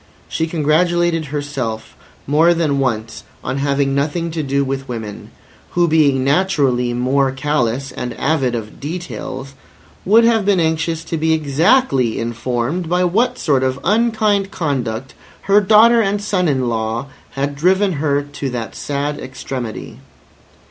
She congratulated herself more than once on having nothing to do with women, who being naturally more callous and avid of details, would have been anxious to be exactly informed by what sort of unkind conduct her daughter and son in law had driven her to that sad extremity.